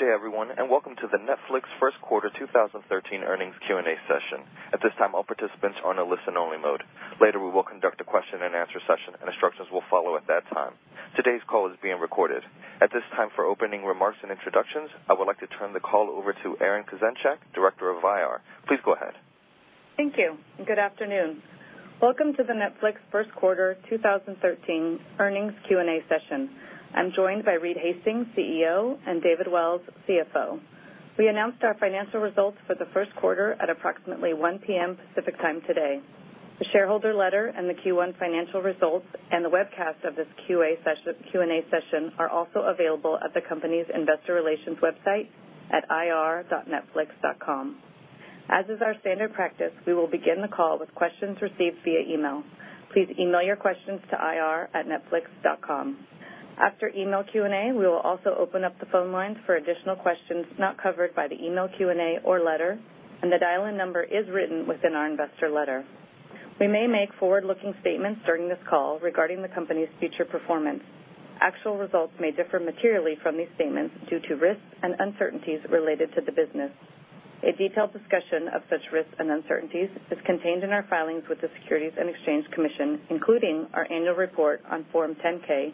Good day, everyone. Welcome to the Netflix first quarter 2013 earnings Q&A session. At this time, all participants are in a listen only mode. Later, we will conduct a question and answer session, and instructions will follow at that time. Today's call is being recorded. At this time, for opening remarks and introductions, I would like to turn the call over to Erin Kasenchak, Director of IR. Please go ahead. Thank you. Good afternoon. Welcome to the Netflix first quarter 2013 earnings Q&A session. I'm joined by Reed Hastings, CEO, and David Wells, CFO. We announced our financial results for the first quarter at approximately 1:00 P.M. Pacific Time today. The shareholder letter and the Q1 financial results and the webcast of this Q&A session are also available at the company's investor relations website at ir.netflix.com. As is our standard practice, we will begin the call with questions received via email. Please email your questions to ir@netflix.com. After email Q&A, we will also open up the phone lines for additional questions not covered by the email Q&A or letter, and the dial-in number is written within our investor letter. We may make forward-looking statements during this call regarding the company's future performance. Actual results may differ materially from these statements due to risks and uncertainties related to the business. A detailed discussion of such risks and uncertainties is contained in our filings with the Securities and Exchange Commission, including our annual report on Form 10-K,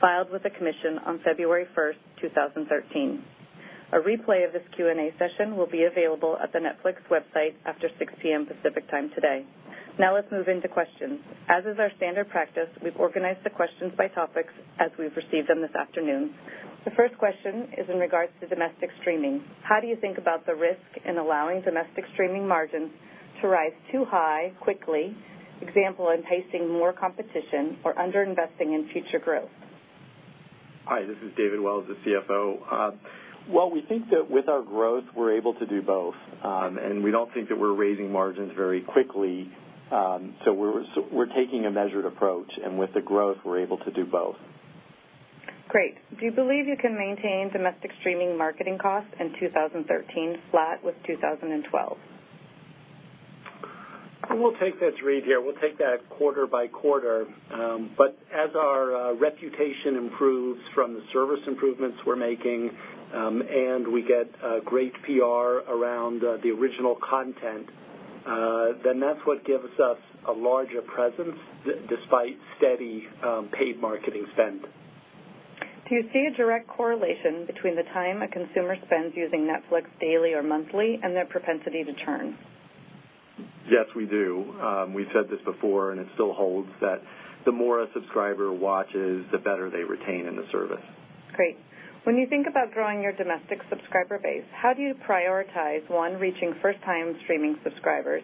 filed with the Commission on February 1st, 2013. A replay of this Q&A session will be available at the Netflix website after 6:00 P.M. Pacific Time today. Let's move into questions. As is our standard practice, we've organized the questions by topics as we've received them this afternoon. The first question is in regards to domestic streaming. How do you think about the risk in allowing domestic streaming margins to rise too high quickly, example, in pacing more competition or under-investing in future growth? Hi, this is David Wells, the CFO. Well, we think that with our growth, we're able to do both. We don't think that we're raising margins very quickly. We're taking a measured approach, and with the growth, we're able to do both. Great. Do you believe you can maintain domestic streaming marketing costs in 2013 flat with 2012? We'll take that. It's Reed here. We'll take that quarter by quarter. As our reputation improves from the service improvements we're making, and we get great PR around the original content, then that's what gives us a larger presence despite steady paid marketing spend. Do you see a direct correlation between the time a consumer spends using Netflix daily or monthly and their propensity to churn? Yes, we do. We've said this before, and it still holds that the more a subscriber watches, the better they retain in the service. Great. When you think about growing your domestic subscriber base, how do you prioritize, one, reaching first-time streaming subscribers,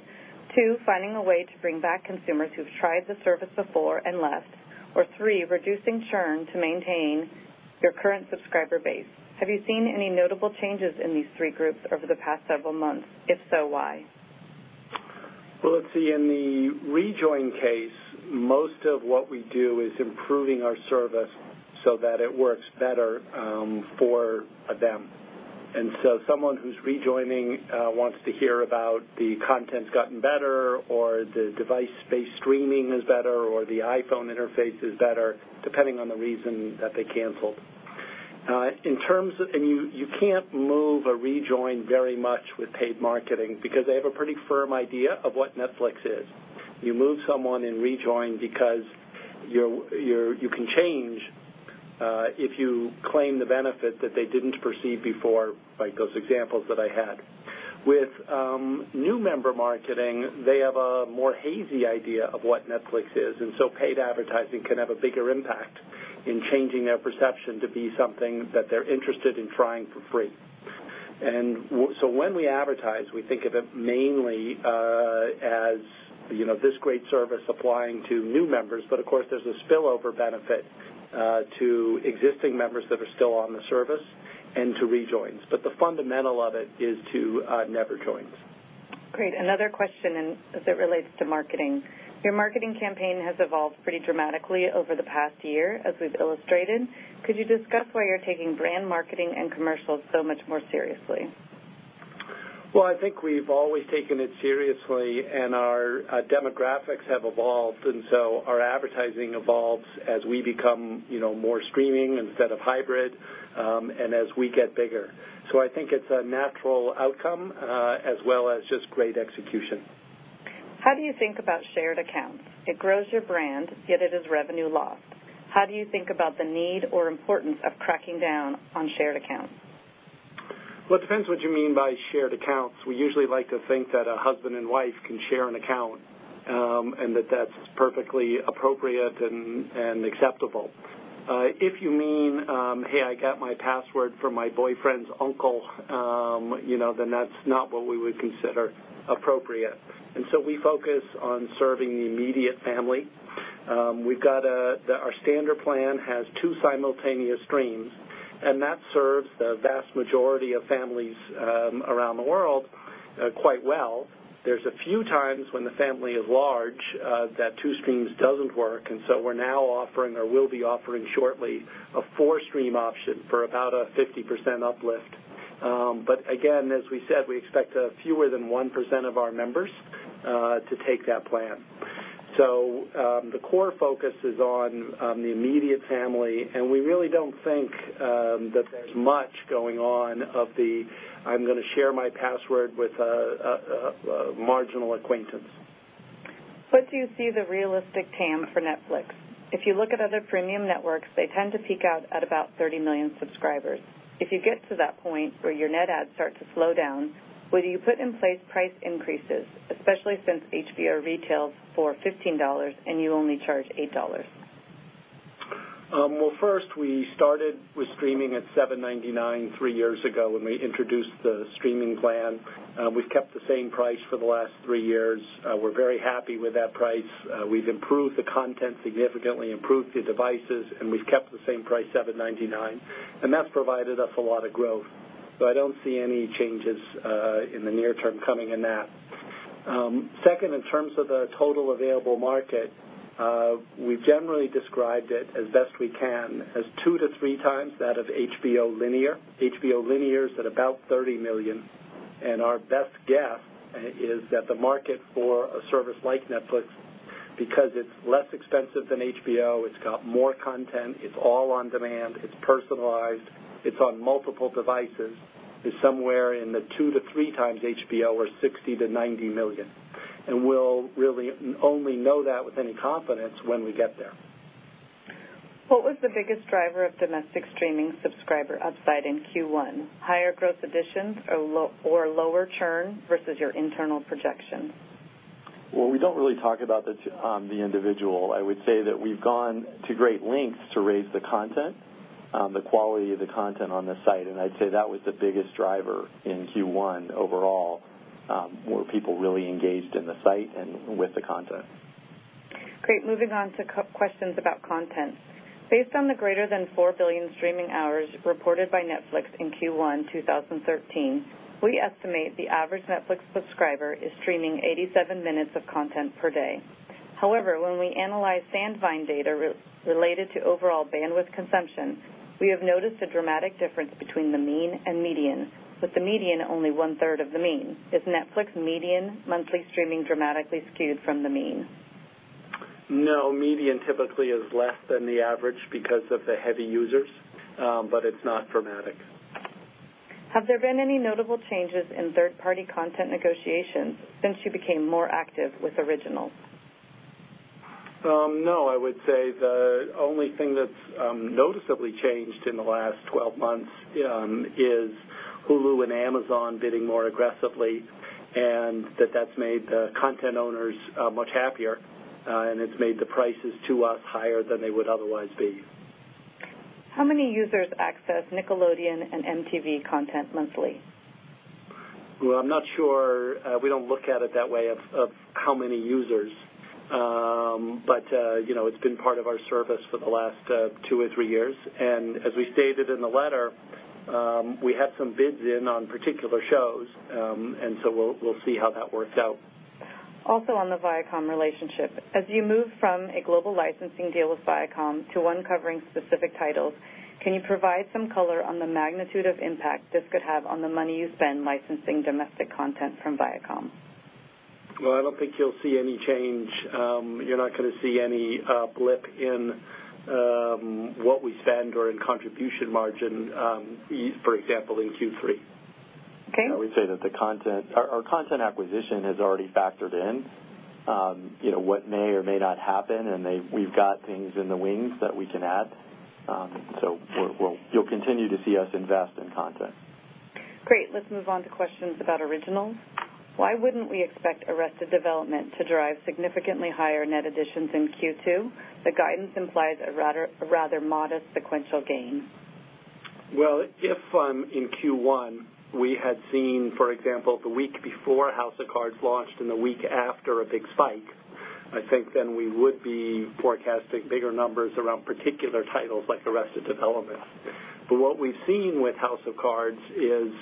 two, finding a way to bring back consumers who've tried the service before and left, or three, reducing churn to maintain your current subscriber base? Have you seen any notable changes in these three groups over the past several months? If so, why? Well, let's see. In the rejoin case, most of what we do is improving our service so that it works better for them. Someone who's rejoining wants to hear about the content's gotten better or the device-based streaming is better, or the iPhone interface is better, depending on the reason that they canceled. You can't move a rejoin very much with paid marketing because they have a pretty firm idea of what Netflix is. You move someone in rejoin because you can change if you claim the benefit that they didn't perceive before, like those examples that I had. With new member marketing, they have a more hazy idea of what Netflix is, paid advertising can have a bigger impact in changing their perception to be something that they're interested in trying for free. When we advertise, we think of it mainly as this great service applying to new members. Of course, there's a spillover benefit to existing members that are still on the service and to rejoins. The fundamental of it is to never joins. Great. Another question as it relates to marketing. Your marketing campaign has evolved pretty dramatically over the past year, as we've illustrated. Could you discuss why you're taking brand marketing and commercials so much more seriously? I think we've always taken it seriously, our demographics have evolved, our advertising evolves as we become more streaming instead of hybrid, as we get bigger. I think it's a natural outcome as well as just great execution. How do you think about shared accounts? It grows your brand, yet it is revenue lost. How do you think about the need or importance of cracking down on shared accounts? Well, it depends what you mean by shared accounts. We usually like to think that a husband and wife can share an account, that that's perfectly appropriate and acceptable. If you mean, "Hey, I got my password from my boyfriend's uncle," then that's not what we would consider appropriate. We focus on serving the immediate family. Our standard plan has two simultaneous streams, that serves the vast majority of families around the world quite well. There's a few times when the family is large that two streams doesn't work, we're now offering or will be offering shortly a four-stream option for about a 50% uplift. Again, as we said, we expect fewer than 1% of our members to take that plan. The core focus is on the immediate family, we really don't think that there's much going on of the, "I'm going to share my password with a marginal acquaintance. What do you see the realistic TAM for Netflix? If you look at other premium networks, they tend to peak out at about 30 million subscribers. If you get to that point where your net adds start to slow down, will you put in place price increases, especially since HBO retails for $15 and you only charge $8? Well, first, we started with streaming at $7.99 three years ago when we introduced the streaming plan. We've kept the same price for the last three years. We're very happy with that price. We've improved the content significantly, improved the devices, and we've kept the same price, $7.99. That's provided us a lot of growth. I don't see any changes in the near term coming in that. Second, in terms of the total available market, we've generally described it as best we can as two to three times that of HBO linear. HBO linear is at about 30 million, and our best guess is that the market for a service like Netflix, because it's less expensive than HBO, it's got more content, it's all on-demand, it's personalized, it's on multiple devices, is somewhere in the two to three times HBO or 60 to 90 million. We'll really only know that with any confidence when we get there. What was the biggest driver of domestic streaming subscriber upside in Q1? Higher gross additions or lower churn versus your internal projection? Well, we don't really talk about the individual. I would say that we've gone to great lengths to raise the content, the quality of the content on the site, and I'd say that was the biggest driver in Q1 overall, were people really engaged in the site and with the content. Great. Moving on to questions about content. Based on the greater than 4 billion streaming hours reported by Netflix in Q1 2013, we estimate the average Netflix subscriber is streaming 87 minutes of content per day. However, when we analyze Sandvine data related to overall bandwidth consumption, we have noticed a dramatic difference between the mean and median, with the median only one-third of the mean. Is Netflix median monthly streaming dramatically skewed from the mean? No. Median typically is less than the average because of the heavy users, but it's not dramatic. Have there been any notable changes in third-party content negotiations since you became more active with originals? No. I would say the only thing that's noticeably changed in the last 12 months is Hulu and Amazon bidding more aggressively, and that that's made the content owners much happier, and it's made the prices to us higher than they would otherwise be. How many users access Nickelodeon and MTV content monthly? Well, I'm not sure. We don't look at it that way of how many users. It's been part of our service for the last two or three years. As we stated in the letter, we had some bids in on particular shows, and so we'll see how that works out. Also on the Viacom relationship, as you move from a global licensing deal with Viacom to one covering specific titles, can you provide some color on the magnitude of impact this could have on the money you spend licensing domestic content from Viacom? Well, I don't think you'll see any change. You're not going to see any blip in what we spend or in contribution margin, for example, in Q3. Okay. I would say that our content acquisition has already factored in what may or may not happen, and we've got things in the wings that we can add. You'll continue to see us invest in content. Great. Let's move on to questions about originals. Why wouldn't we expect "Arrested Development" to drive significantly higher net additions in Q2? The guidance implies a rather modest sequential gain. Well, if in Q1 we had seen, for example, the week before "House of Cards" launched and the week after a big spike, I think then we would be forecasting bigger numbers around particular titles like "Arrested Development". What we've seen with "House of Cards" is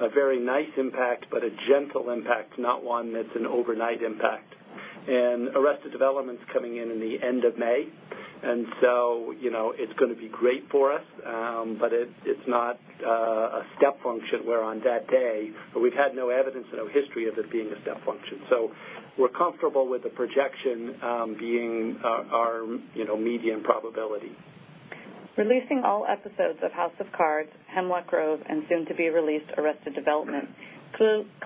a very nice impact, but a gentle impact, not one that's an overnight impact. "Arrested Development"s coming in in the end of May, it's going to be great for us, but it's not a step function, but we've had no evidence and no history of it being a step function. We're comfortable with the projection being our median probability. Releasing all episodes of "House of Cards," "Hemlock Grove," and soon to be released "Arrested Development"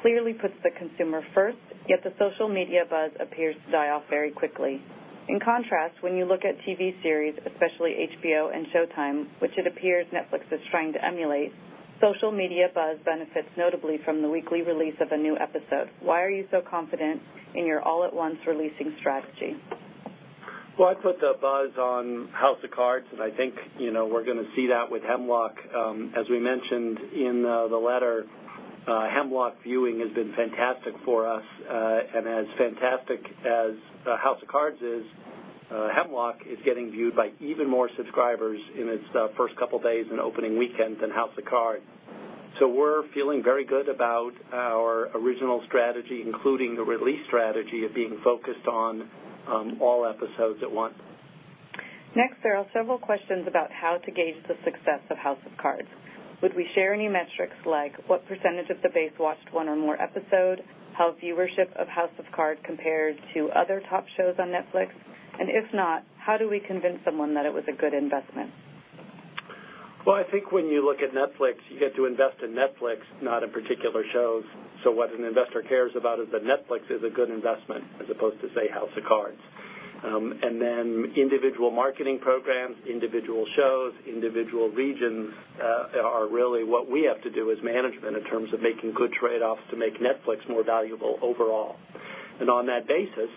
clearly puts the consumer first, yet the social media buzz appears to die off very quickly. In contrast, when you look at TV series, especially HBO and Showtime, which it appears Netflix is trying to emulate, social media buzz benefits notably from the weekly release of a new episode. Why are you so confident in your all-at-once releasing strategy? Well, I put the buzz on "House of Cards," and I think we're going to see that with "Hemlock." As we mentioned in the letter, "Hemlock" viewing has been fantastic for us. As fantastic as "House of Cards" is, "Hemlock" is getting viewed by even more subscribers in its first couple of days and opening weekend than "House of Cards". We're feeling very good about our original strategy, including the release strategy of being focused on all episodes at once. Next, there are several questions about how to gauge the success of "House of Cards." Would we share any metrics like what percentage of the base watched one or more episode? How viewership of "House of Cards" compares to other top shows on Netflix? If not, how do we convince someone that it was a good investment? Well, I think when you look at Netflix, you get to invest in Netflix, not in particular shows. What an investor cares about is that Netflix is a good investment as opposed to, say, "House of Cards." Then individual marketing programs, individual shows, individual regions, are really what we have to do as management in terms of making good trade-offs to make Netflix more valuable overall. On that basis,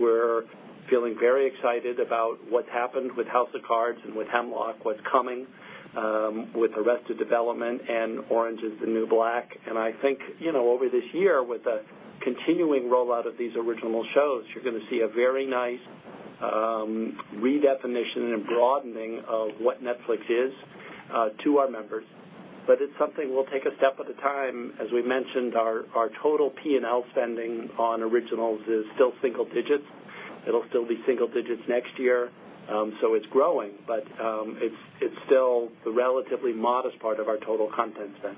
we're feeling very excited about what's happened with "House of Cards" and with "Hemlock," what's coming with "Arrested Development" and "Orange Is the New Black." I think over this year, with the continuing rollout of these original shows, you're going to see a very nice redefinition and broadening of what Netflix is to our members. It's something we'll take a step at a time. As we mentioned, our total P&L spending on originals is still single digits. It'll still be single digits next year. It's growing, but it's still the relatively modest part of our total content spend.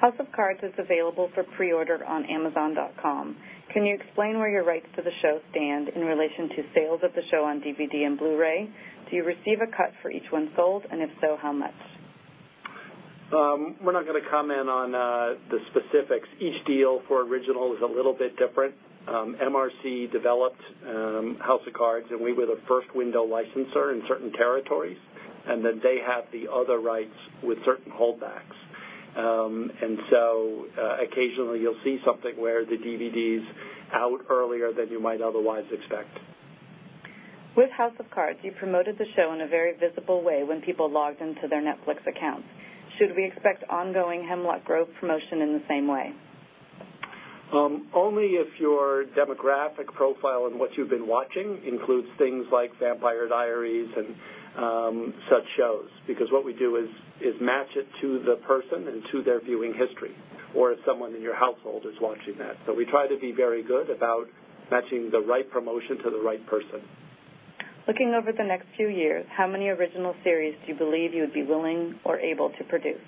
House of Cards" is available for pre-order on Amazon.com. Can you explain where your rights to the show stand in relation to sales of the show on DVD and Blu-ray? Do you receive a cut for each one sold, and if so, how much? We're not going to comment on the specifics. Each deal for original is a little bit different. MRC developed "House of Cards." We were the first window licenser in certain territories. They have the other rights with certain holdbacks. Occasionally you'll see something where the DVD's out earlier than you might otherwise expect. With "House of Cards," you promoted the show in a very visible way when people logged into their Netflix accounts. Should we expect ongoing "Hemlock Grove" promotion in the same way? Only if your demographic profile and what you've been watching includes things like "The Vampire Diaries" and such shows, because what we do is match it to the person and to their viewing history, or if someone in your household is watching that. We try to be very good about matching the right promotion to the right person. Looking over the next few years, how many original series do you believe you would be willing or able to produce?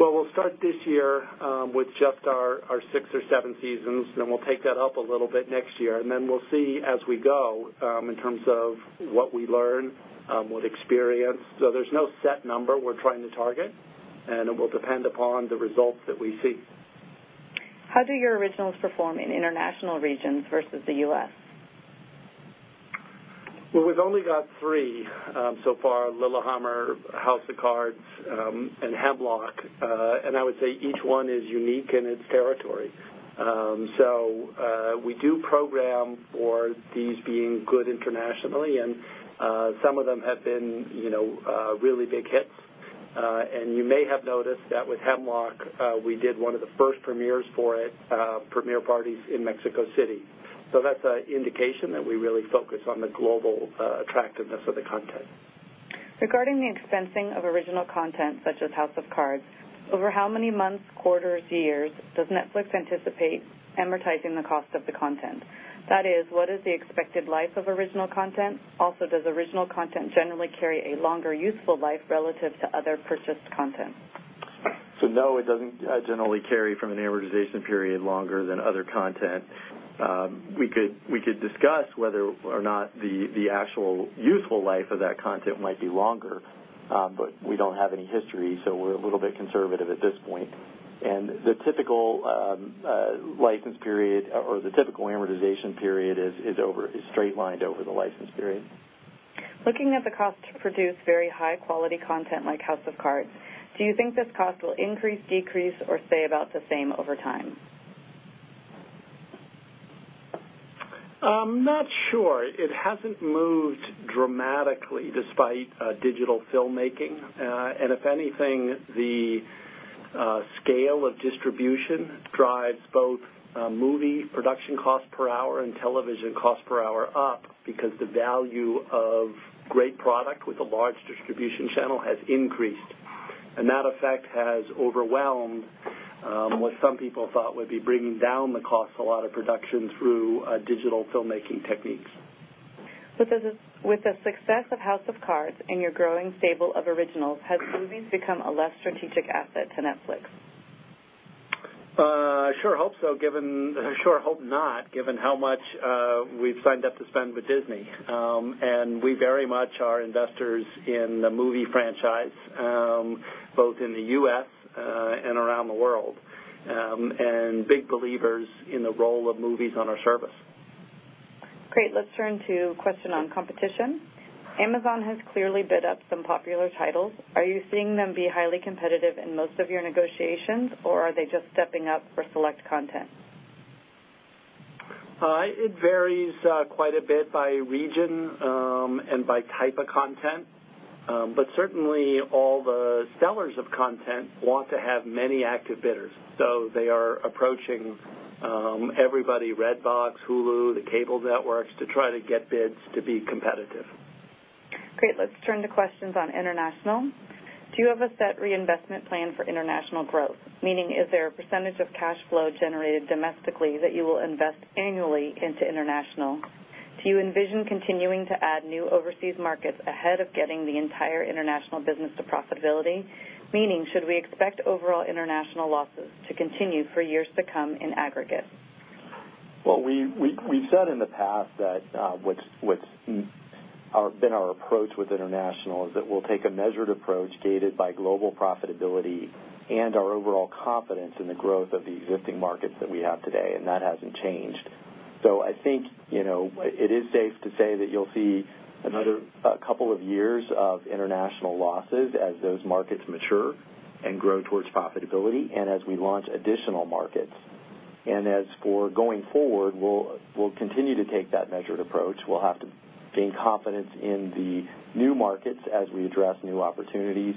Well, we'll start this year with just our six or seven seasons. We'll take that up a little bit next year, and we'll see as we go in terms of what we learn, what experience. There's no set number we're trying to target, and it will depend upon the results that we see. How do your originals perform in international regions versus the U.S.? We've only got three so far, "Lilyhammer," "House of Cards," and "Hemlock," and I would say each one is unique in its territory. We do program for these being good internationally, and some of them have been really big hits. You may have noticed that with "Hemlock," we did one of the first premieres for it, premiere parties in Mexico City. That's an indication that we really focus on the global attractiveness of the content. Regarding the expensing of original content such as "House of Cards," over how many months, quarters, years does Netflix anticipate amortizing the cost of the content? That is, what is the expected life of original content? Also, does original content generally carry a longer useful life relative to other purchased content? No, it doesn't generally carry from an amortization period longer than other content. We could discuss whether or not the actual useful life of that content might be longer, but we don't have any history, so we're a little bit conservative at this point. The typical license period, or the typical amortization period is straight lined over the license period. Looking at the cost to produce very high-quality content like "House of Cards," do you think this cost will increase, decrease, or stay about the same over time? I'm not sure. It hasn't moved dramatically despite digital filmmaking. If anything, the scale of distribution drives both movie production cost per hour and television cost per hour up because the value of great product with a large distribution channel has increased. That effect has overwhelmed what some people thought would be bringing down the cost a lot of production through digital filmmaking techniques. With the success of "House of Cards" and your growing stable of originals, has movies become a less strategic asset to Netflix? I sure hope not given how much we've signed up to spend with Disney. We very much are investors in the movie franchise both in the U.S. and around the world, and big believers in the role of movies on our service. Great. Let's turn to a question on competition. Amazon has clearly bid up some popular titles. Are you seeing them be highly competitive in most of your negotiations, or are they just stepping up for select content? It varies quite a bit by region and by type of content. Certainly all the sellers of content want to have many active bidders. They are approaching everybody, Redbox, Hulu, the cable networks, to try to get bids to be competitive. Great. Let's turn to questions on international. Do you have a set reinvestment plan for international growth? Meaning, is there a percentage of cash flow generated domestically that you will invest annually into international? Do you envision continuing to add new overseas markets ahead of getting the entire international business to profitability? Meaning, should we expect overall international losses to continue for years to come in aggregate? Well, we've said in the past that what's been our approach with international is that we'll take a measured approach gated by global profitability and our overall confidence in the growth of the existing markets that we have today, and that hasn't changed. I think, it is safe to say that you'll see another couple of years of international losses as those markets mature and grow towards profitability, and as we launch additional markets. As for going forward, we'll continue to take that measured approach. We'll have to gain confidence in the new markets as we address new opportunities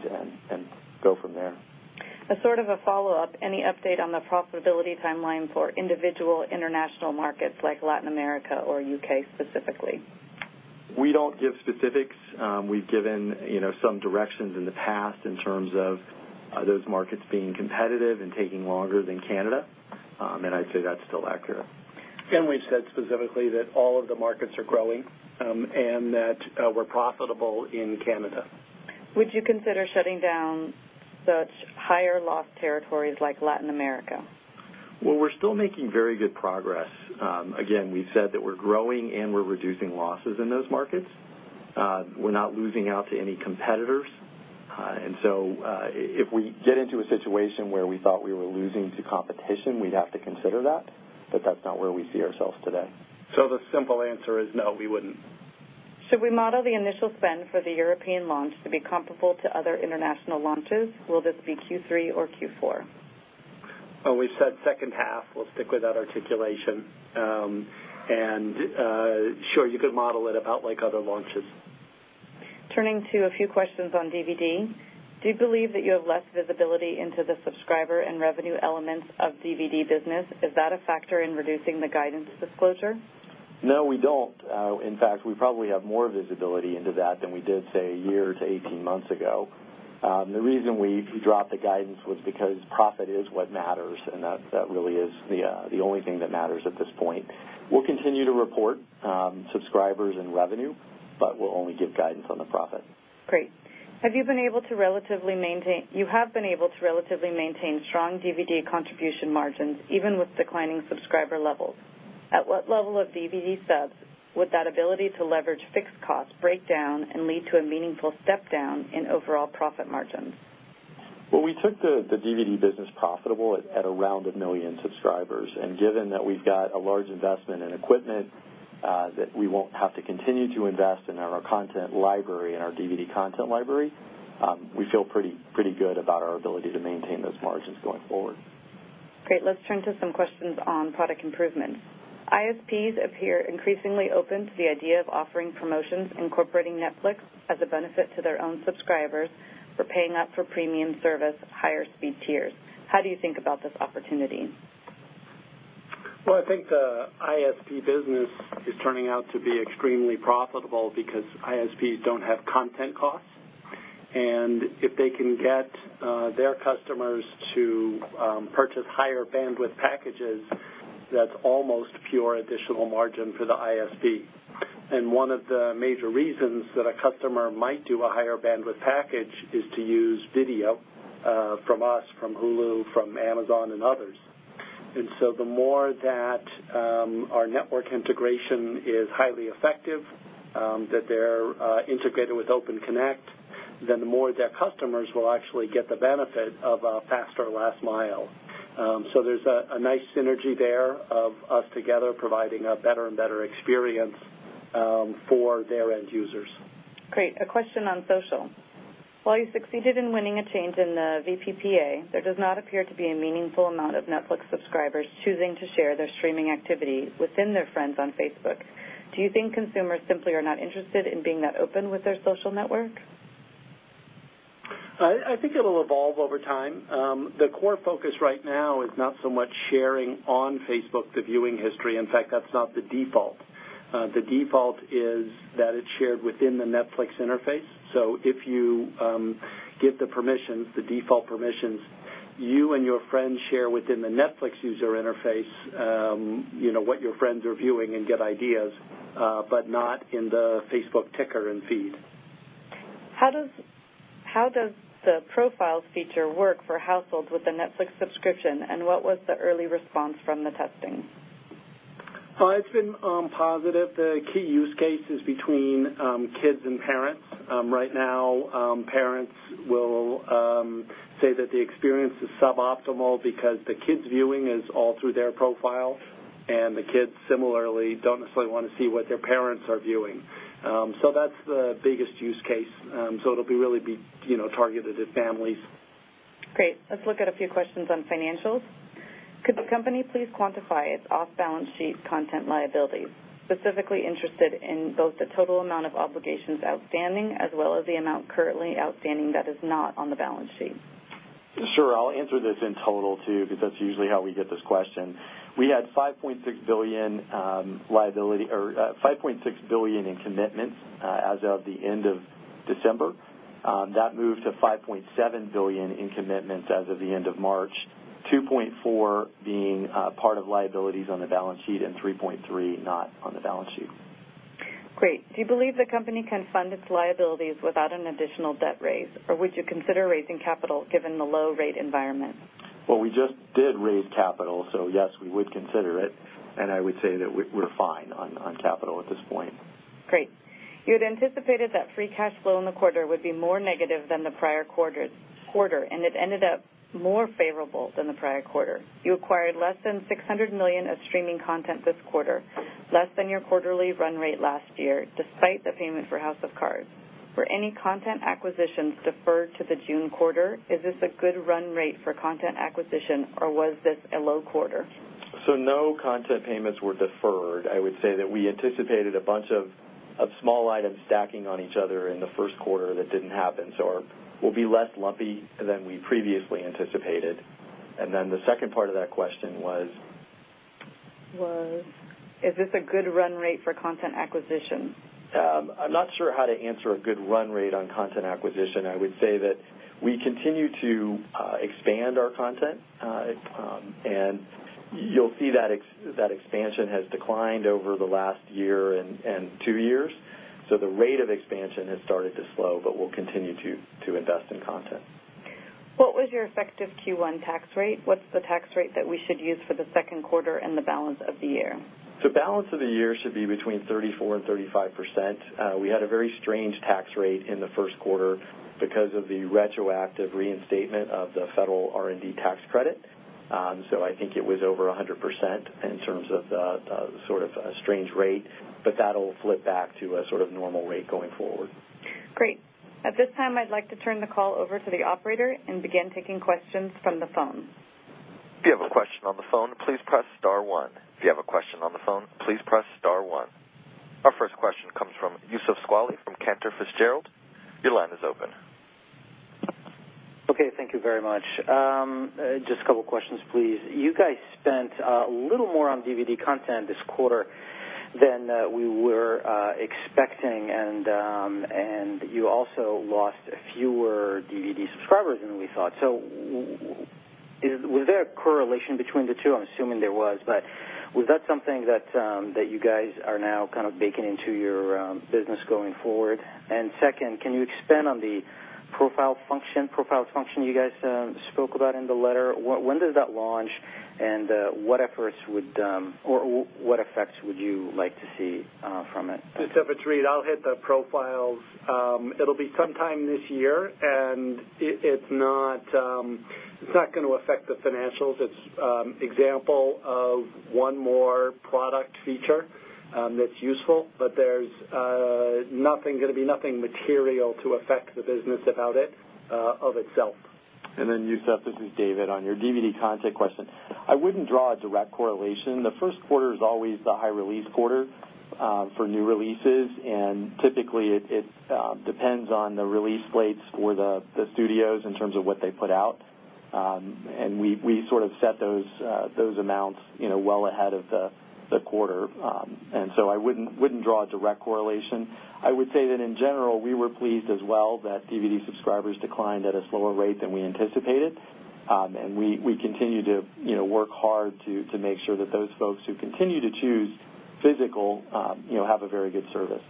and go from there. As sort of a follow-up, any update on the profitability timeline for individual international markets like Latin America or U.K. specifically? We don't give specifics. We've given some directions in the past in terms of those markets being competitive and taking longer than Canada. I'd say that's still accurate. We've said specifically that all of the markets are growing, and that we're profitable in Canada. Would you consider shutting down such higher-loss territories like Latin America? Well, we're still making very good progress. Again, we've said that we're growing and we're reducing losses in those markets. We're not losing out to any competitors. If we get into a situation where we thought we were losing to competition, we'd have to consider that, but that's not where we see ourselves today. The simple answer is no, we wouldn't. Should we model the initial spend for the European launch to be comparable to other international launches? Will this be Q3 or Q4? We've said second half, we'll stick with that articulation. Sure you could model it about like other launches. Turning to a few questions on DVD. Do you believe that you have less visibility into the subscriber and revenue elements of DVD business? Is that a factor in reducing the guidance disclosure? No, we don't. In fact, we probably have more visibility into that than we did, say, one year to 18 months ago. The reason we dropped the guidance was because profit is what matters, and that really is the only thing that matters at this point. We'll continue to report subscribers and revenue, but we'll only give guidance on the profit. Great. You have been able to relatively maintain strong DVD contribution margins even with declining subscriber levels. At what level of DVD subs would that ability to leverage fixed costs break down and lead to a meaningful step down in overall profit margins? Well, we took the DVD business profitable at around 1 million subscribers, and given that we've got a large investment in equipment that we won't have to continue to invest in our content library and our DVD content library, we feel pretty good about our ability to maintain those margins going forward. Great. Let's turn to some questions on product improvement. ISPs appear increasingly open to the idea of offering promotions incorporating Netflix as a benefit to their own subscribers for paying up for premium service higher speed tiers. How do you think about this opportunity? I think the ISP business is turning out to be extremely profitable because ISPs don't have content costs, if they can get their customers to purchase higher bandwidth packages, that's almost pure additional margin for the ISP. One of the major reasons that a customer might do a higher bandwidth package is to use video, from us, from Hulu, from Amazon, and others. The more that our network integration is highly effective, that they're integrated with Open Connect, then the more their customers will actually get the benefit of a faster last mile. There's a nice synergy there of us together providing a better and better experience for their end users. Great. A question on social. While you succeeded in winning a change in the VPPA, there does not appear to be a meaningful amount of Netflix subscribers choosing to share their streaming activity within their friends on Facebook. Do you think consumers simply are not interested in being that open with their social network? I think it'll evolve over time. The core focus right now is not so much sharing on Facebook the viewing history. In fact, that's not the default. The default is that it's shared within the Netflix interface. If you give the permissions, the default permissions, you and your friends share within the Netflix user interface what your friends are viewing and get ideas, but not in the Facebook ticker and feed. How does the profiles feature work for households with a Netflix subscription, what was the early response from the testing? It's been positive. The key use case is between kids and parents. Right now, parents will say that the experience is suboptimal because the kids viewing is all through their profile, and the kids similarly don't necessarily want to see what their parents are viewing. That's the biggest use case. It'll be really be targeted at families. Great. Let's look at a few questions on financials. Could the company please quantify its off-balance sheet content liabilities? Specifically interested in both the total amount of obligations outstanding as well as the amount currently outstanding that is not on the balance sheet. Sure. I'll answer this in total too, because that's usually how we get this question. We had $5.6 billion in commitments as of the end of December. That moved to $5.7 billion in commitments as of the end of March, $2.4 billion being part of liabilities on the balance sheet and $3.3 billion not on the balance sheet. Great. Do you believe the company can fund its liabilities without an additional debt raise, or would you consider raising capital given the low rate environment? We just did raise capital, yes, we would consider it, I would say that we're fine on capital at this point. Great. You had anticipated that free cash flow in the quarter would be more negative than the prior quarter, it ended up more favorable than the prior quarter. You acquired less than $600 million of streaming content this quarter, less than your quarterly run rate last year, despite the payment for House of Cards. Were any content acquisitions deferred to the June quarter? Is this a good run rate for content acquisition, or was this a low quarter? No content payments were deferred. I would say that we anticipated a bunch of small items stacking on each other in the first quarter that didn't happen. We'll be less lumpy than we previously anticipated. The second part of that question was? Is this a good run rate for content acquisition? I'm not sure how to answer a good run rate on content acquisition. I would say that we continue to expand our content. You'll see that expansion has declined over the last year and two years. The rate of expansion has started to slow, but we'll continue to invest in content. What was your effective Q1 tax rate? What's the tax rate that we should use for the second quarter and the balance of the year? The balance of the year should be between 34% and 35%. We had a very strange tax rate in the first quarter because of the retroactive reinstatement of the federal R&D tax credit. I think it was over 100% in terms of the sort of strange rate, but that'll flip back to a sort of normal rate going forward. Great. At this time, I'd like to turn the call over to the operator and begin taking questions from the phone. If you have a question on the phone, please press *1. If you have a question on the phone, please press *1. Our first question comes from Youssef Squali from Cantor Fitzgerald. Your line is open. Okay. Thank you very much. Just a couple of questions, please. You guys spent a little more on DVD content this quarter than we were expecting, and you also lost fewer DVD subscribers than we thought. Was there a correlation between the two? I'm assuming there was, but was that something that you guys are now kind of baking into your business going forward? Second, can you expand on the profiles function you guys spoke about in the letter? When does that launch, and what effects would you like to see from it? Youssef, it's Reed. I'll hit the profiles. It'll be sometime this year, it's not going to affect the financials. It's an example of one more product feature that's useful, there's going to be nothing material to affect the business about it of itself. Youssef, this is David. On your DVD content question, I wouldn't draw a direct correlation. The first quarter is always the high release quarter for new releases, typically, it depends on the release slates or the studios in terms of what they put out. We sort of set those amounts well ahead of the quarter. I wouldn't draw a direct correlation. I would say that in general, we were pleased as well that DVD subscribers declined at a slower rate than we anticipated. We continue to work hard to make sure that those folks who continue to choose physical have a very good service.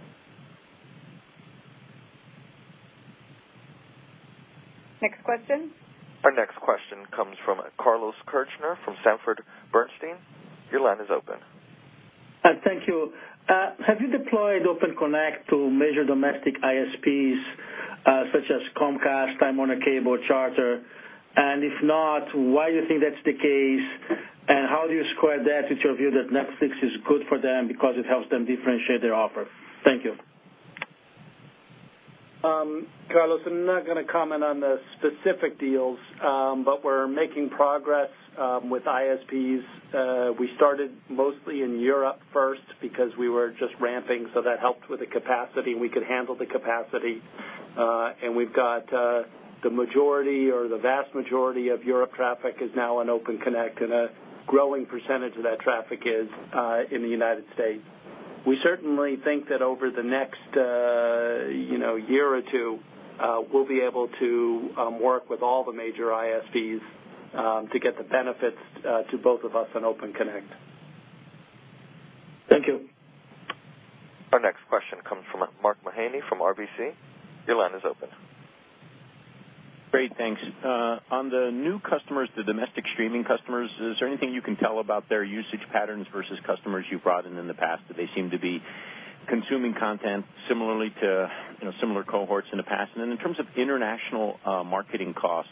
Next question. Our next question comes from Carlos Kirjner from Sanford Bernstein. Your line is open. Thank you. Have you deployed Open Connect to measure domestic ISPs such as Comcast, Time Warner Cable, Charter? If not, why do you think that's the case, and how do you square that with your view that Netflix is good for them because it helps them differentiate their offer? Thank you. Carlos, I'm not going to comment on the specific deals, but we're making progress with ISPs. We started mostly in Europe first because we were just ramping, so that helped with the capacity. We could handle the capacity. We've got the majority or the vast majority of Europe traffic is now on Open Connect, and a growing percentage of that traffic is in the United States. We certainly think that over the next year or two, we'll be able to work with all the major ISPs to get the benefits to both of us on Open Connect. Thank you. Our next question comes from Mark Mahaney from RBC. Your line is open. Great. Thanks. On the new customers, the domestic streaming customers, is there anything you can tell about their usage patterns versus customers you've brought in in the past? Do they seem to be consuming content similarly to similar cohorts in the past? Then in terms of international marketing costs,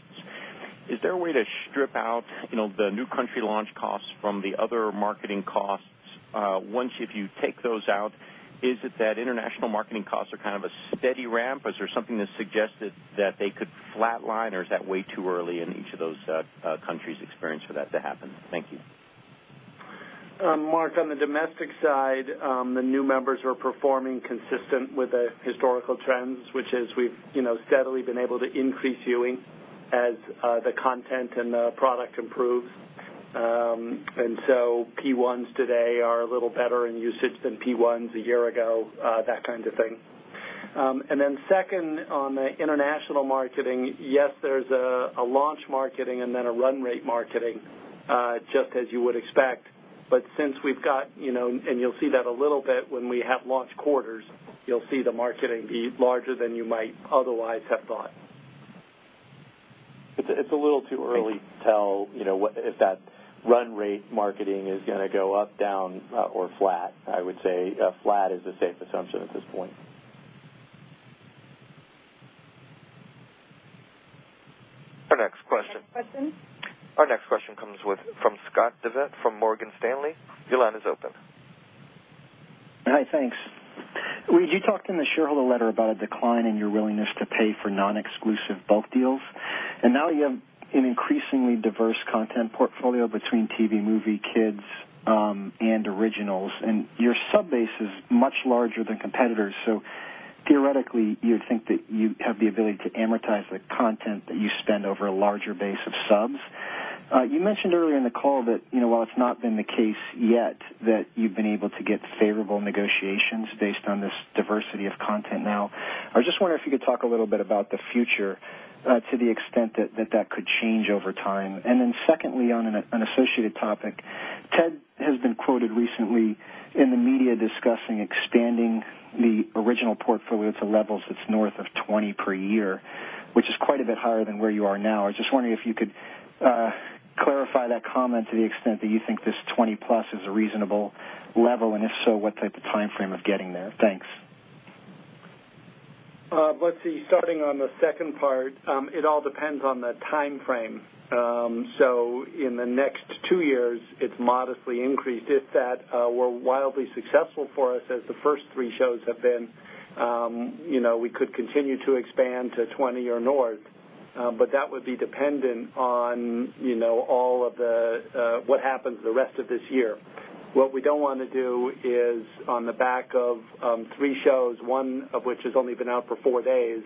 is there a way to strip out the new country launch costs from the other marketing costs? Once if you take those out, is it that international marketing costs are kind of a steady ramp? Is there something that suggested that they could flatline, or is that way too early in each of those countries' experience for that to happen? Thank you. Mark, on the domestic side, the new members are performing consistent with the historical trends, which is we've steadily been able to increase viewing as the content and the product improves. So P1s today are a little better in usage than P1s a year ago, that kind of thing. Then second, on the international marketing, yes, there's a launch marketing and then a run rate marketing, just as you would expect. Since we've got and you'll see that a little bit when we have launch quarters, you'll see the marketing be larger than you might otherwise have thought. It's a little too early to tell if that run rate marketing is going to go up, down, or flat. I would say flat is a safe assumption at this point. Our next question. Next question. Our next question comes from Scott Devitt from Morgan Stanley. Your line is open. Hi. Thanks. Reed, you talked in the shareholder letter about a decline in your willingness to pay for non-exclusive bulk deals. Now you have an increasingly diverse content portfolio between TV, movie, kids, and originals. Your sub base is much larger than competitors. Theoretically, you would think that you have the ability to amortize the content that you spend over a larger base of subs. You mentioned earlier in the call that, while it's not been the case yet, that you've been able to get favorable negotiations based on this diversity of content now. I was just wondering if you could talk a little bit about the future to the extent that that could change over time. Secondly, on an associated topic, Ted has been quoted recently in the media discussing expanding the original portfolio to levels that's north of 20 per year, which is quite a bit higher than where you are now. I was just wondering if you could clarify that comment to the extent that you think this 20-plus is a reasonable level, and if so, what type of timeframe of getting there. Thanks. Let's see. Starting on the second part. It all depends on the timeframe. In the next two years, it's modestly increased. If that were wildly successful for us as the first three shows have been, we could continue to expand to 20 or north. That would be dependent on what happens the rest of this year. What we don't want to do is on the back of three shows, one of which has only been out for four days,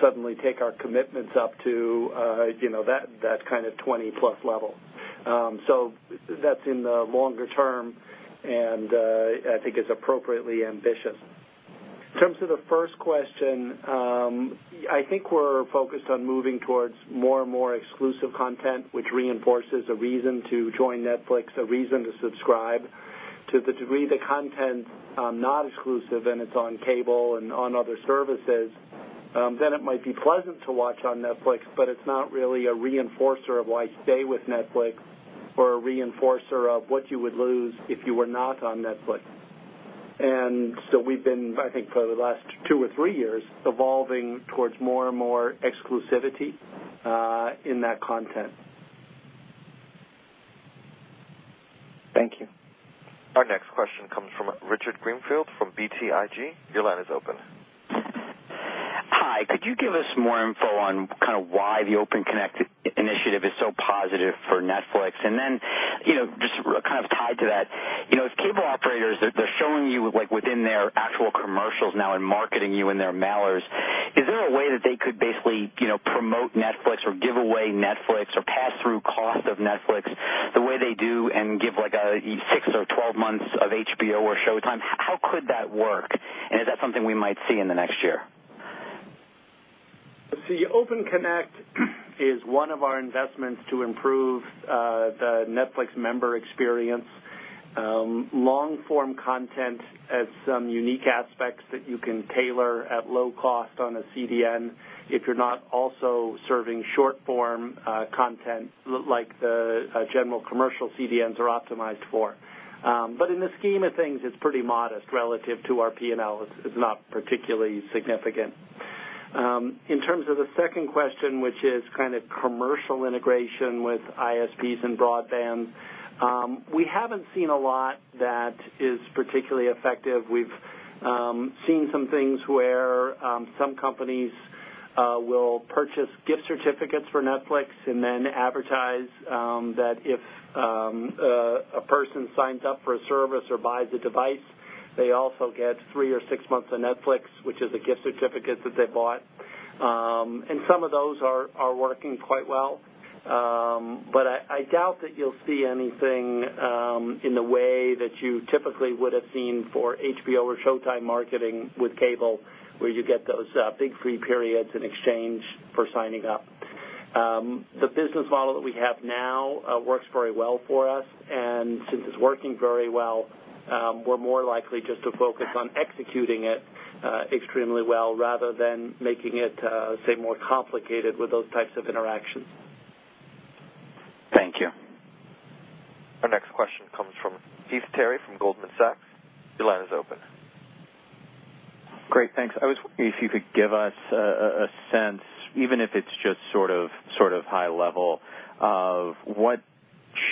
suddenly take our commitments up to that kind of 20-plus level. That's in the longer term, and I think it's appropriately ambitious. In terms of the first question, I think we're focused on moving towards more and more exclusive content, which reinforces a reason to join Netflix, a reason to subscribe. To the degree the content's not exclusive, and it's on cable and on other services, then it might be pleasant to watch on Netflix, but it's not really a reinforcer of why you stay with Netflix or a reinforcer of what you would lose if you were not on Netflix. We've been, I think for the last two or three years, evolving towards more and more exclusivity in that content. Thank you. Our next question comes from Richard Greenfield from BTIG. Your line is open. Hi. Could you give us more info on kind of why the Open Connect initiative is so positive for Netflix? Then, just kind of tied to that, as cable operators, they're showing you within their actual commercials now and marketing you in their mailers. Is there a way that they could basically promote Netflix or give away Netflix or pass through cost of Netflix the way they do and give a six or 12 months of HBO or Showtime? How could that work? Is that something we might see in the next year? Let's see. Open Connect is one of our investments to improve the Netflix member experience. Long-form content has some unique aspects that you can tailor at low cost on a CDN if you're not also serving short-form content like the general commercial CDNs are optimized for. In the scheme of things, it's pretty modest relative to our P&L. It's not particularly significant. In terms of the second question, which is kind of commercial integration with ISPs and broadband. We haven't seen a lot that is particularly effective. We've seen some things where some companies will purchase gift certificates for Netflix and then advertise that if a person signs up for a service or buys a device, they also get three or six months of Netflix, which is a gift certificate that they bought. Some of those are working quite well. I doubt that you'll see anything in the way that you typically would've seen for HBO or Showtime marketing with cable, where you get those big free periods in exchange for signing up. The business model that we have now works very well for us, and since it's working very well, we're more likely just to focus on executing it extremely well rather than making it, say, more complicated with those types of interactions. Thank you. Our next question comes from Heath Terry from Goldman Sachs. Your line is open. Great. Thanks. I was wondering if you could give us a sense, even if it's just sort of high level, of what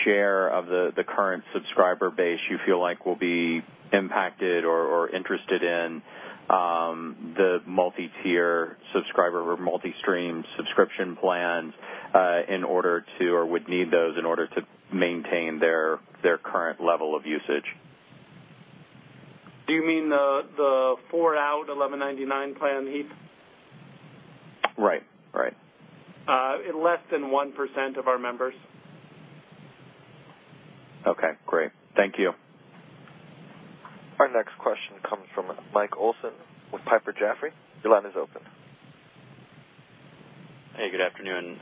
share of the current subscriber base you feel like will be impacted or interested in the multi-tier subscriber or multi-stream subscription plans, or would need those in order to maintain their current level of usage? Do you mean the four-out $11.99 plan Heath? Right. Less than 1% of our members. Okay, great. Thank you. Our next question comes from Michael Olson with Piper Jaffray. Your line is open. Hey, good afternoon.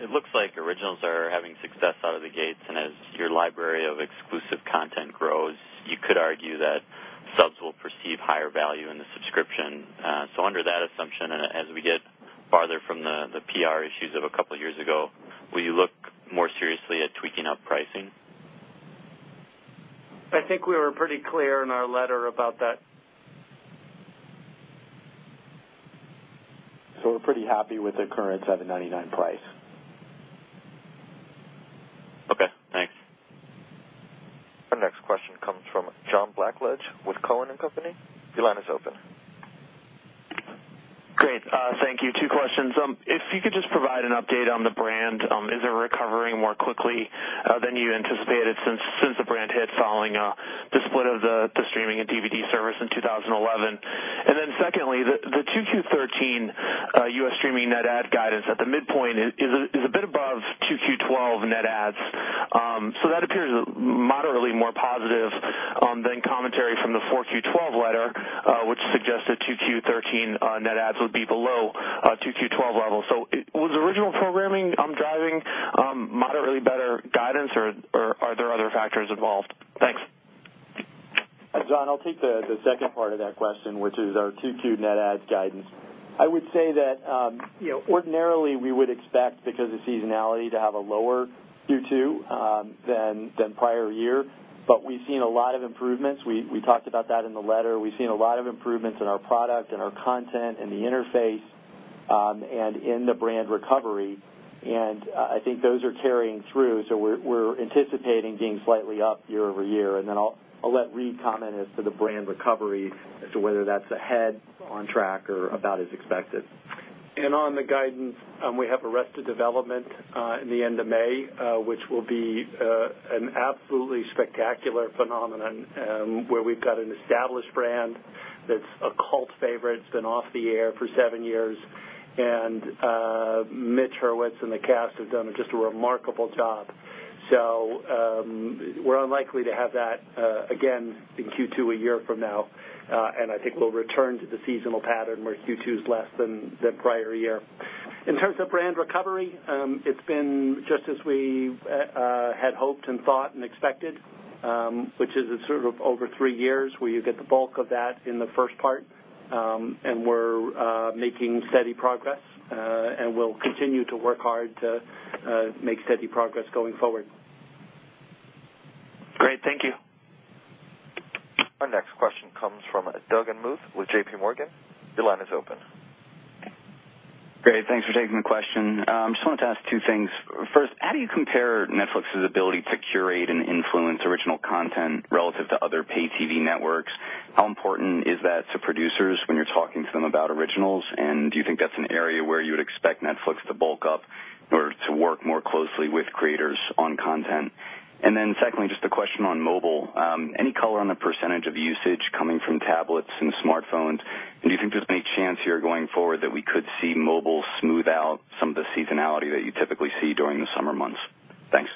It looks like originals are having success out of the gates. As your library of exclusive content grows, you could argue that subs will perceive higher value in the subscription. Under that assumption, as we get farther from the PR issues of a couple of years ago, will you look more seriously at tweaking up pricing? I think we were pretty clear in our letter about that. We're pretty happy with the current $7.99 price. Okay, thanks. Our next question comes from John Blackledge with Cowen and Company. Your line is open. Great. Thank you. Two questions. If you could just provide an update on the brand. Is it recovering more quickly than you anticipated since the brand hit following the split of the streaming and DVD service in 2011? Secondly, the Q2 2013 U.S. streaming net add guidance at the midpoint is a bit above Q2 2012 net adds. That appears moderately more positive than commentary from the Q4 2012 letter which suggested Q2 2013 net adds would be below Q2 2012 levels. Was original programming driving moderately better guidance, or are there other factors involved? Thanks. John, I'll take the second part of that question, which is our Q2 net adds guidance. I would say that ordinarily we would expect, because of seasonality, to have a lower Q2 than prior year, but we've seen a lot of improvements. We talked about that in the letter. We've seen a lot of improvements in our product, in our content, in the interface, and in the brand recovery, and I think those are carrying through. We're anticipating being slightly up year-over-year. I'll let Reed comment as to the brand recovery as to whether that's ahead, on track, or about as expected. On the guidance, we have "Arrested Development" in the end of May, which will be an absolutely spectacular phenomenon, where we've got an established brand that's a cult favorite, it's been off the air for seven years, and Mitch Hurwitz and the cast have done just a remarkable job. We're unlikely to have that again in Q2 a year from now. I think we'll return to the seasonal pattern where Q2 is less than the prior year. In terms of brand recovery, it's been just as we had hoped and thought and expected, which is a sort of over three years where you get the bulk of that in the first part. We're making steady progress, and we'll continue to work hard to make steady progress going forward. Great. Thank you. Our next question comes from Doug Anmuth with J.P. Morgan. Your line is open. Great. Thanks for taking the question. I just wanted to ask two things. First, how do you compare Netflix's ability to curate and influence original content relative to other pay TV networks? How important is that to producers when you're talking to them about originals? Do you think that's an area where you would expect Netflix to bulk up or to work more closely with creators on content? Secondly, just a question on mobile. Any color on the % of usage coming from tablets and smartphones? Do you think there's any chance here going forward that we could see mobile smooth out some of the seasonality that you typically see during the summer months? Thanks.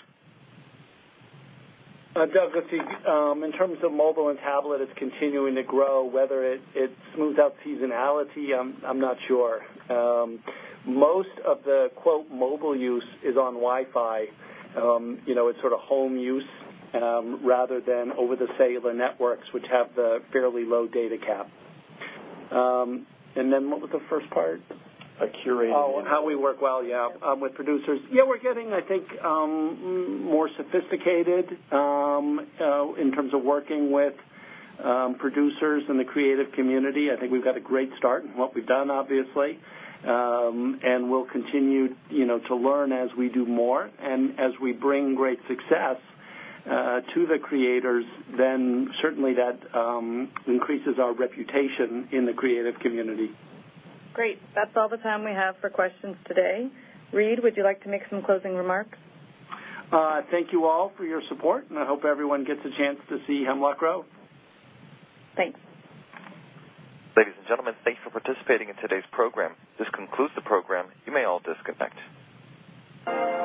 Doug, let's see. In terms of mobile and tablet, it's continuing to grow. Whether it smooths out seasonality, I'm not sure. Most of the mobile use is on Wi-Fi. It's sort of home use, rather than over the cellular networks, which have the fairly low data cap. What was the first part? Curating- How we work, well, yeah, with producers. We're getting, I think, more sophisticated in terms of working with producers in the creative community. I think we've got a great start in what we've done, obviously. We'll continue to learn as we do more. As we bring great success to the creators, then certainly that increases our reputation in the creative community. Great. That's all the time we have for questions today. Reed, would you like to make some closing remarks? Thank you all for your support, and I hope everyone gets a chance to see "Hemlock Grove. Thanks. Ladies and gentlemen, thanks for participating in today's program. This concludes the program. You may all disconnect.